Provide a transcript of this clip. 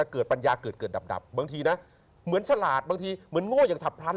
ปัญญาเกิดเกิดดับบางทีนะเหมือนฉลาดบางทีเหมือนโง่อย่างฉับพลัน